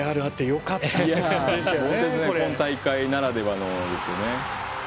今大会ならではですよね。